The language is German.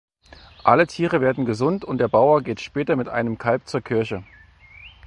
Alle Tiere werden gesund und der Bauer geht später mit einem Kalb zur Kirche.